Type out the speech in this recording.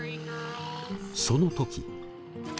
その時。